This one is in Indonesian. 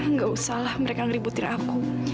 nggak usahlah mereka ngeributin aku